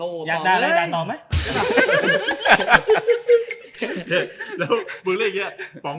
คุณอยากจะรู้สิว่ามันฮาทุกช้อน